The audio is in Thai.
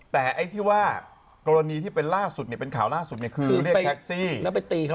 แต่ที่ว่ากรณีที่เป็นข่าวล่าสุดคือเรียกแท็กซี่